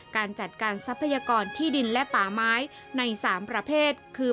การจัดการทรัพยากรที่ดินและป่าไม้ใน๓ประเภทคือ